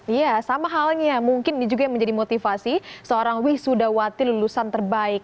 iya sama halnya mungkin ini juga yang menjadi motivasi seorang wisudawati lulusan terbaik